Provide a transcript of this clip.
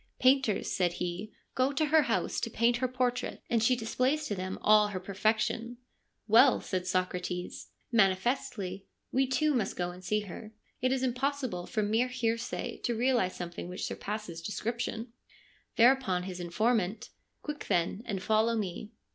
' Painters,' said he, ' go to her house to paint her portrait, and she displays to them all her perfection !'' Well,' said Socrates, ' manifestly, we too must go and see her. It is impossible from mere hearsay to realise something which surpasses description .' Thereupon his informant :' Quick, then, and follow me.'